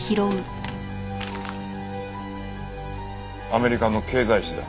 アメリカの経済誌だ。